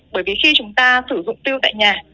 bởi vì khi chúng ta sử dụng tiêu tại nhà